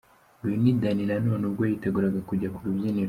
Uyu ni Danny Nanone ubwo yiteguraga kujya ku rubyiniro.